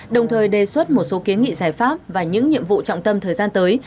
đồng thời đề xuất một số kiến nghị giải pháp và những nhiệm vụ trọng tâm thời gian tới